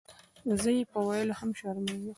زۀ یې پۀ ویلو هم شرمېږم.